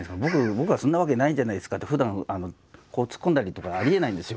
僕が「そんなわけないじゃないですか」ってふだんツッコんだりとかありえないんですよ。